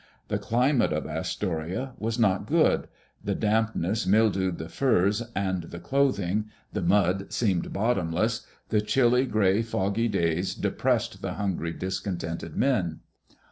The climate of Astoria was not good: the damp ness mildewed the furs and the clothing; the mud seemed bottomless; the chilly, gray, foggy days depressed the hungry, discontented men.